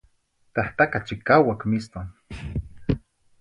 Tahtaca chicauac miston.